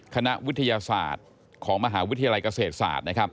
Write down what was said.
คณะวิทยาศาสตร์ของมหาวิทยาลัยเกษตรศาสตร์